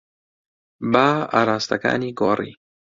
با ئاراستەکانی گۆڕی.